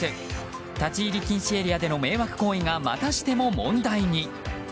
立ち入り禁止エリアでの迷惑行為が、またしても問題に。